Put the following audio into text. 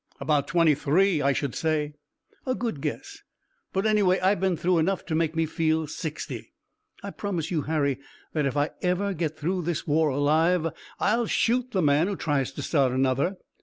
"About twenty three, I should say." "A good guess, but anyway I've been through enough to make me feel sixty. I promise you, Harry, that if ever I get through this war alive I'll shoot the man who tries to start another.